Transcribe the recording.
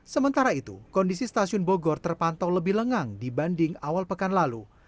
sementara itu kondisi stasiun bogor terpantau lebih lengang dibanding awal pekan lalu